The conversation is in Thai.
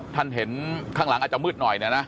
ท่านเห็นข้างหลังอาจจะมืดหน่อยเนี่ยนะ